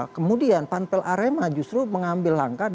kemudian panpel arema justru mengambil langkah